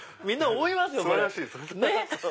思います。